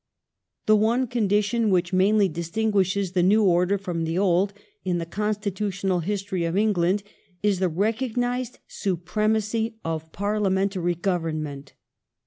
The one condition which mainly distinguishes the new order from the old in the constitutional history of England is the recognised supremacy of Parliamentary government.